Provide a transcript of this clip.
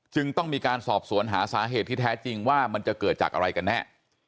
ต้องมีการสอบสวนหาสาเหตุที่แท้จริงว่ามันจะเกิดจากอะไรกันแน่